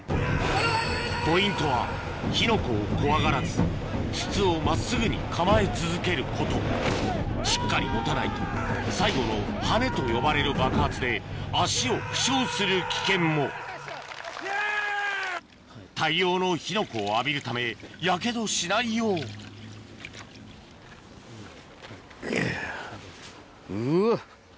ポイントは火の粉を怖がらず筒を真っすぐに構え続けることしっかり持たないと最後のハネと呼ばれる爆発で足を負傷する危険も大量の火の粉を浴びるためやけどしないようあぁうわ。